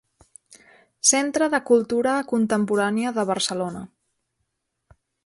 Centre de Cultura Contemporània de Barcelona.